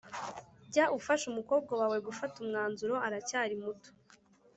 Jya ufasha umukobwa wawe gufata umwanzuro aracyari muto